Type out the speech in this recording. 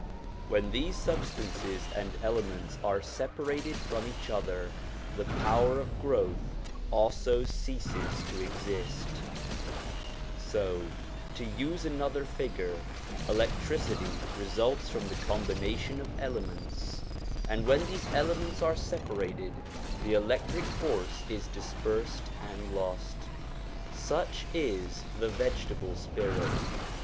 When these substances and elements are separated from each other, the power of growth also ceases to exist ; so, to use another figure, electricity results from the combination of elements, and when these elements are separated, the electric force is dispersed and lost. Such is the vegetable spirit.